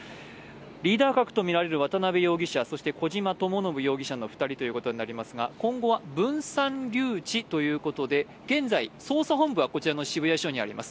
リーダー格とみられる渡辺容疑者、そして小島智信容疑者の２人ということですが今後は分散留置ということで現在捜査本部はこちらの渋谷署にあります。